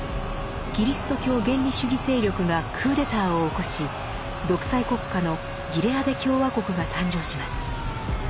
キリスト教原理主義勢力がクーデターを起こし独裁国家のギレアデ共和国が誕生します。